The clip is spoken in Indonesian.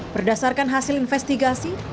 berdasarkan hasil investigasi